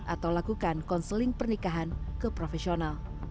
atau lakukan konseling pernikahan ke profesional